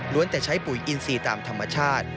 ล้วนแต่ใช้ปุ๋ยอินทรีย์ตามธรรมชาติ